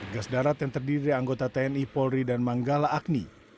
gas darat yang terdiri dari anggota tni polri dan manggala agni